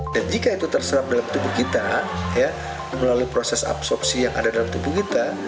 dan jika itu terseram dalam tubuh kita melalui proses absorpsi yang ada dalam tubuh kita